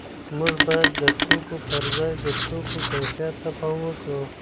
موږ باید د توکو پر ځای د توکو کیفیت ته پام وکړو.